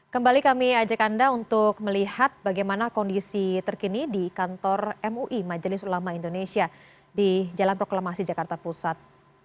kembali kami ajak anda untuk melihat bagaimana kondisi terkini di kantor mui majelis ulama indonesia di jalan proklamasi jakarta pusat